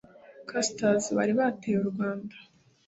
castes bari bateye u rwanda